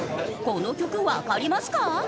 この曲わかりますか？